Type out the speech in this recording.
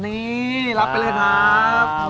นี่รับไปเลยครับ